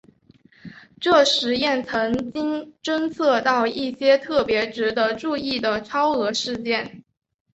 这实验曾经侦测到一些特别值得注意的超额事件。